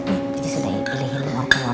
ini sudah ya